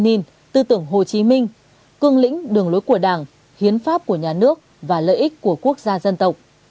ninh tư tưởng hồ chí minh cương lĩnh đường lối của đảng hiến pháp của nhà nước và lợi ích của quốc gia dân tộc